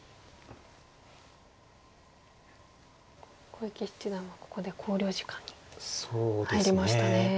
小池七段はここで考慮時間に入りましたね。